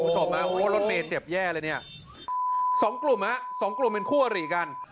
คุณผู้ชมฮะโอ้รถเมย์เจ็บแย่เลยเนี่ยสองกลุ่มฮะสองกลุ่มเป็นคู่อริกัน